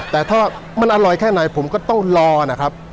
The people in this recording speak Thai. แต่ถ้ามันอร่อยแค่ไหนผมก็ต้องรอนะครับ